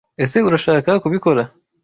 ese Urashaka kubikora?